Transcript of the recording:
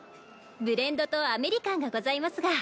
ブレンドとアメリカンがございますが。